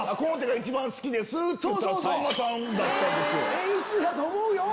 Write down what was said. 演出やと思うよ。